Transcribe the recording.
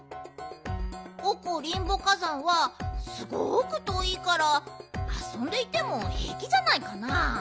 オコ・リンボ火山はすごくとおいからあそんでいてもへいきじゃないかな？